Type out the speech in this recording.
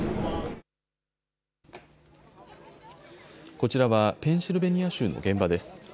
こちらはペンシルベニア州の現場です。